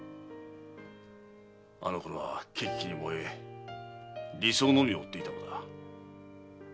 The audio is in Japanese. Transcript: あのころは血気に燃え理想のみを追っていたのだ。